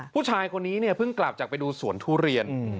ผู้ชายคนนี้เนี่ยเพิ่งกลับจากไปดูสวนทุเรียน